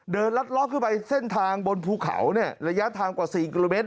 ลัดล้อขึ้นไปเส้นทางบนภูเขาเนี่ยระยะทางกว่า๔กิโลเมตร